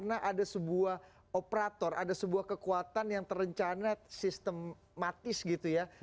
ada sebuah operator ada sebuah kekuatan yang terencana sistematis gitu ya